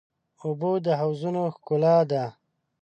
اوبه د حوضونو ښکلا ده.